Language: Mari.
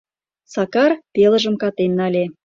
Сакар пелыжым катен нале.